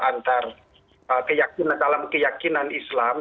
antara dalam keyakinan islam